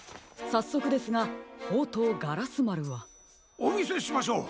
さっそくですがほうとうガラスまるは？おみせしましょう。